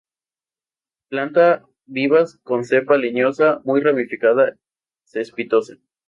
Planta vivaz con cepa leñosa, muy ramificada, cespitosa.